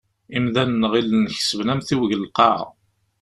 Imdanen ɣillen kesben amtiweg n Lqaεa.